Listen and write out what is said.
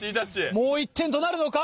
もう１点となるのか？